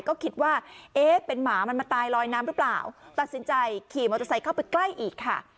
ก็คิดว่าเอ๊ะเป็นหมามันมาตายลอยน้ำหรือเปล่าตัดสินใจขี่มอเตอร์ไซค์เข้าไปใกล้อีกค่ะ